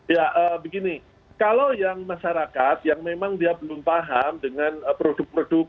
ya begini kalau yang masyarakat yang memang dia belum paham dengan produk produk